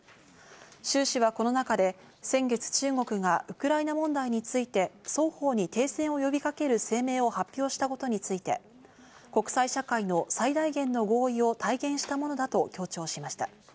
シュウ氏はこの中で先月、中国がウクライナ問題について、双方に訂正を呼びかける声明を発表したことについて、国際社会の最大限の合意を体現したものだと強調しました。